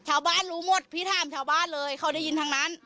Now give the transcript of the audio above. ชาวบ้านรู้หมดพีที่ห้ามชาวบ้านเลยเขาได้ยินทางนั้น